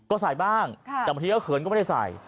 ก็ใส่บ้างแต่บางทีก็เขินก็ไม่ได้ใส่